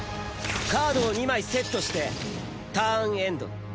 カードを２枚セットしてターンエンド。